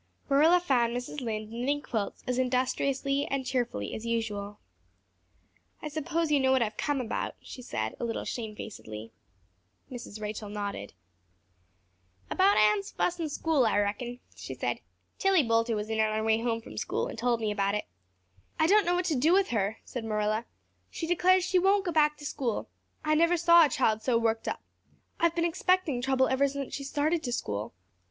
Marilla found Mrs. Lynde knitting quilts as industriously and cheerfully as usual. "I suppose you know what I've come about," she said, a little shamefacedly. Mrs. Rachel nodded. "About Anne's fuss in school, I reckon," she said. "Tillie Boulter was in on her way home from school and told me about it." "I don't know what to do with her," said Marilla. "She declares she won't go back to school. I never saw a child so worked up. I've been expecting trouble ever since she started to school.